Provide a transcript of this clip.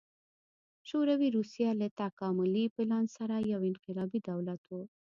شوروي روسیه له تکاملي پلان سره یو انقلابي دولت و